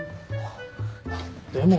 でも